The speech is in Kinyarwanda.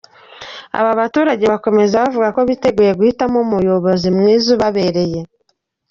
Aba baturage bakomeza bavuga ko biteguye guhitamo umuyobozi mwiza ubabereye.